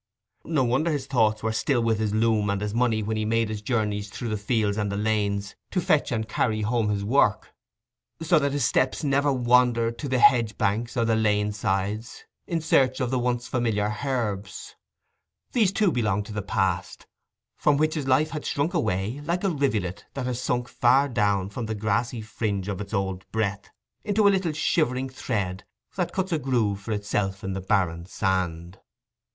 No wonder his thoughts were still with his loom and his money when he made his journeys through the fields and the lanes to fetch and carry home his work, so that his steps never wandered to the hedge banks and the lane side in search of the once familiar herbs: these too belonged to the past, from which his life had shrunk away, like a rivulet that has sunk far down from the grassy fringe of its old breadth into a little shivering thread, that cuts a groove for itself in the barren sand.